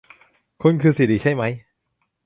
คุณคือสิริใช่ไหม